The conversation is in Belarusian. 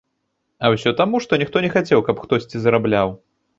А ўсё таму, што ніхто не хацеў, каб хтосьці зарабляў.